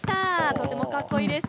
とてもかっこいいです。